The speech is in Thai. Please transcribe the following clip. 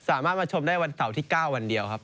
สามารถมาชมได้วันเสาร์ที่๙วันเดียวครับ